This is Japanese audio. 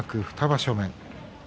２場所目。